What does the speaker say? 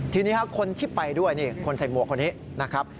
ทีนี้คนที่ไปด้วยนี่คนใส่หมวกคนนี้นะครับ